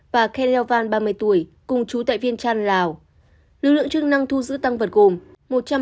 và khelevan ba mươi tuổi cùng trú tại vientiane lào lực lượng chức năng thu giữ tăng vật gồm một trăm linh